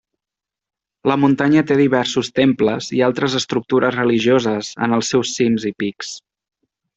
La muntanya té diversos temples i altres estructures religioses en els seus cims i pics.